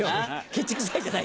「ケチくさい」じゃない。